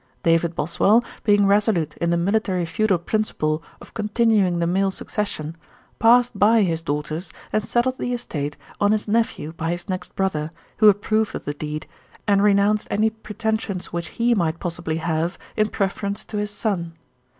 David Boswell, being resolute in the military feudal principle of continuing the male succession, passed by his daughters, and settled the estate on his nephew by his next brother, who approved of the deed, and renounced any pretensions which he might possibly have, in preference to his son.